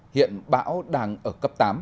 hiện bão đang ở cấp tám